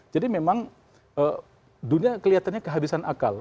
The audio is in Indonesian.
jadi memang dunia kelihatannya kehabisan akal